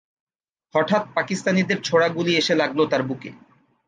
হঠাৎ পাকিস্তানিদের ছোড়া গুলি এসে লাগল তার বুকে।